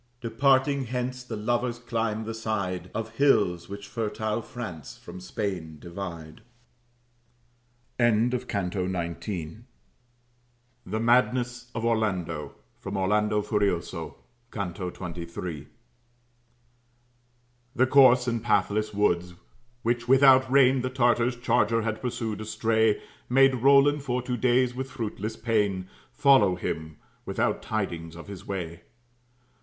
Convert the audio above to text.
Departing hence, the lovers climb the side Of hills, which fertile France from Spain divide. THE MADNESS OF ORLANDO From 'Orlando Furioso,' Canto 23 The course in pathless woods, which without rein The Tartar's charger had pursued astray, Made Roland for two days, with fruitless pain, Follow him, without tidings of his way.